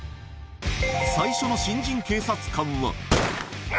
最初の新人警察官は。